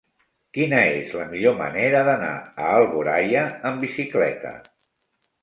Quina és la millor manera d'anar a Alboraia amb bicicleta?